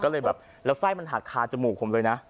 แล้วไส้มันหักคลาจมูกผมเลยนะ